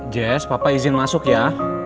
jazz papa izin masuk ya